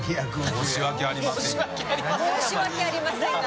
「申し訳ありませんが」